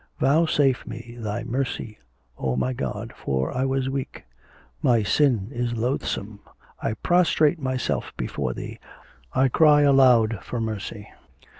Vouchsafe me Thy mercy, O my God, for I was weak! My sin is loathsome; I prostrate myself before Thee, I cry aloud for mercy!'